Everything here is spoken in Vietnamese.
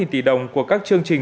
tám tỷ đồng của các chương trình